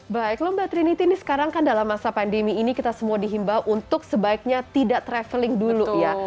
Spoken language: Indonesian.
baik lho mbak trinity ini sekarang kan dalam masa pandemi ini kita semua dihimbau untuk sebaiknya tidak traveling dulu ya